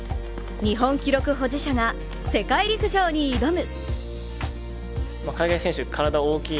日本記録保持者が世界陸上に挑む。